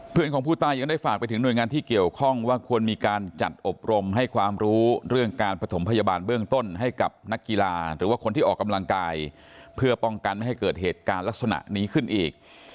เพื่อนของผู้ตายยังได้ฝากไปถึงหน่วยงานที่เกี่ยวข้องว่าควรมีการจัดอบรมให้ความรู้เรื่องการปฐมพยาบาลเบื้องต้นให้กับนักกีฬาหรือว่าคนที่ออกกำลังกายเพื่อป้องกันไม่ให้เกิดเหตุการณ์ลักษณะนี้ขึ้นอีก